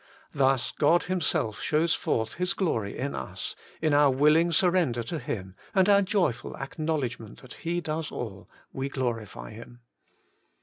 Thus God Himself shows forth His glory in us ; in our willing surrender to Him, and our joyful acknowledgment that He does all, we glorify Him.